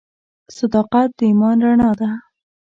• صداقت د ایمان رڼا ده.